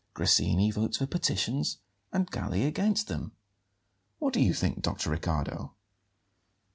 Grassini votes for petitions and Galli against them. What do you think, Dr. Riccardo?"